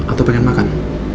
atau pengen makan